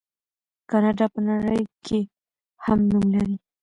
کاناډا په نړۍ کې ښه نوم لري.